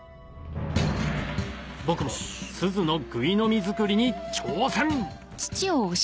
僕も錫のぐい呑み作りに挑戦！